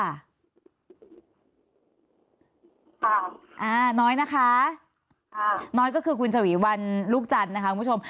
อ่าน้อยนะคะอ่าน้อยก็คือคุณฉวีวันลูกจันทร์นะคะคุณผู้ชม